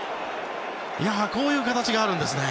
こういう形があるんですね。